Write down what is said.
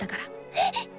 えっ！